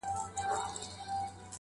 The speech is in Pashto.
کهيېتخمونهدګناهدلتهکرليبيانو,